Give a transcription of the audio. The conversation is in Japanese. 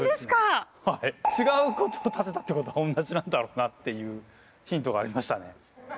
違うことを立てたってことはおんなじなんだろうなっていうヒントがありましたね。